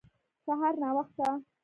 سهار ناوخته